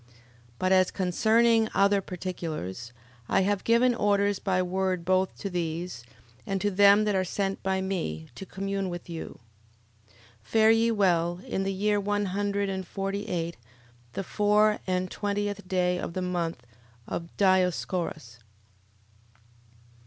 11:20. But as concerning other particulars, I have given orders by word both to these, and to them that are sent by me, to commune with you. 11:21. Fare ye well. In the year one hundred and forty eight, the four and twentieth day of the month of Dioscorus.